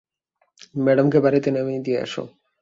ম্যাডামকে বাড়ীতে নামিয়ে দিয়ে আসো।